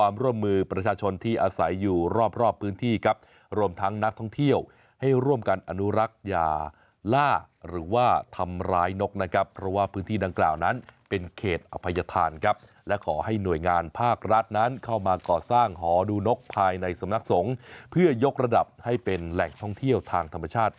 ประชาชนที่อาศัยอยู่รอบรอบพื้นที่ครับรวมทั้งนักท่องเที่ยวให้ร่วมกันอนุรักษ์ยาล่าหรือว่าทำร้ายนกนะครับเพราะว่าพื้นที่ดังกล่าวนั้นเป็นเขตอภัยธานครับและขอให้หน่วยงานภาครัฐนั้นเข้ามาก่อสร้างหอดูนกภายในสำนักสงฆ์เพื่อยกระดับให้เป็นแหล่งท่องเที่ยวทางธรรมชาติ